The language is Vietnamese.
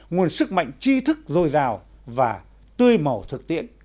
nguồn sức mạnh chi thức dồi dào và tươi màu thực tiễn